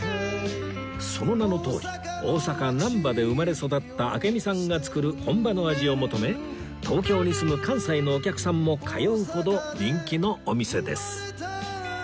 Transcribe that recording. その名のとおり大阪難波で生まれ育った昭美さんが作る本場の味を求め東京に住む関西のお客さんも通うほど人気のお店です